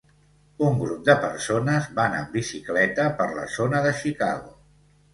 Un grup de persones van en bicicleta per la zona de Chicago.